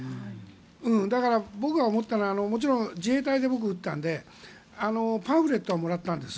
だから、僕が思ったのはもちろん自衛隊で打ったのでパンフレットはもらったんです。